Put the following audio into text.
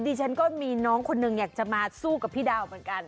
ดิฉันก็มีน้องคนหนึ่งอยากจะมาสู้กับพี่ดาวเหมือนกัน